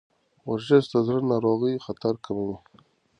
ورزش د زړه ناروغیو خطر کموي.